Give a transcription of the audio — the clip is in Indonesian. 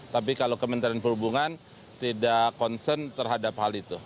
tapi kalau kementerian perhubungan tidak concern terhadap hal itu